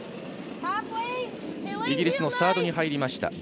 イギリスのサードに入りました